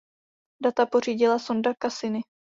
Data pořídila Sonda Cassini.